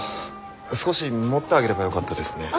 少し持ってあげればよかったですね。